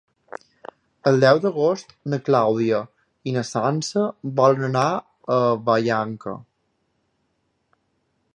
El deu d'agost na Clàudia i na Sança volen anar a Vallanca.